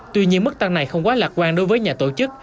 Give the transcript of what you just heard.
tuy nhiên mức tăng này không quá lạc quan đối với nhà tổ chức